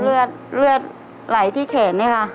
เลือดเลือดไหลที่แขนเนี่ยค่ะ